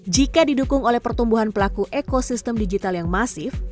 jika didukung oleh pertumbuhan pelaku ekosistem digital yang masif